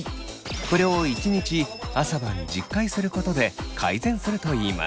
これを１日朝晩１０回することで改善するといいます。